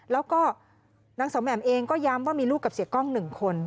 แล้วก็นางสาวแหม่มเองก็ย้ำว่ามีลูกกับเสียกล้อง๑คน